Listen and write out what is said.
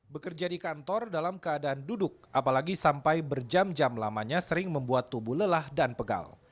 bekerja di kantor dalam keadaan duduk apalagi sampai berjam jam lamanya sering membuat tubuh lelah dan pegal